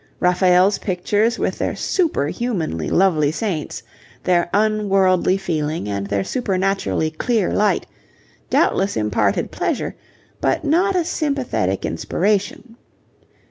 Raphael's pictures with their superhumanly lovely saints, their unworldly feeling, and their supernaturally clear light, doubtless imparted pleasure, but not a sympathetic inspiration.